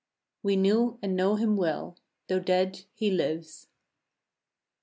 ^ mu ^^^^ We knew and know him well. Though dead he lives.